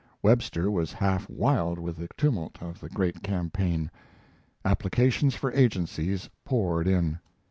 Webster was half wild with the tumult of the great campaign. Applications for agencies poured in.